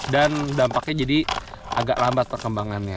dampaknya jadi agak lambat perkembangannya